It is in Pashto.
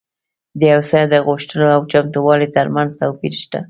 د یو څه د غوښتلو او چمتووالي ترمنځ توپیر شته